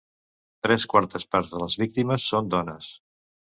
Tres quartes parts de les víctimes són dones.